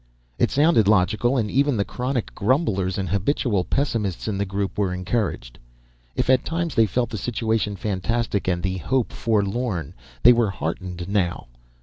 It sounded logical and even the chronic grumblers and habitual pessimists in the group were encouraged. If at times they felt the situation fantastic and the hope forlorn, they were heartened now.